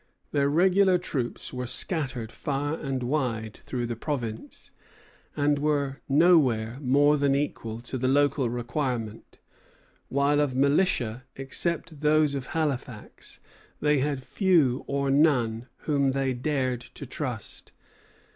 Their regular troops were scattered far and wide through the province, and were nowhere more than equal to the local requirement; while of militia, except those of Halifax, they had few or none whom they dared to trust.